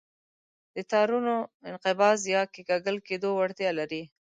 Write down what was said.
دا تارونه د انقباض یا کیکاږل کېدو وړتیا لري.